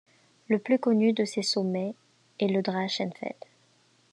Le plus connu de ces sommets est le Drachenfels.